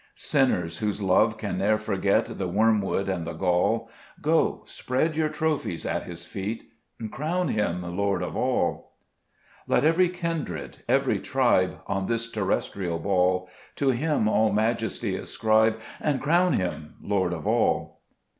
5 Sinners, whose love can ne'er forget The wormwood and the gall, Go, spread your trophies at His feet, And crown Him Lord of all. 39 XLbe 3Best Cburcb Ibsmns* 6 Let every kindred, every tribe, On this terrestrial ball, To Him all majesty ascribe, And crown Him Lord of all.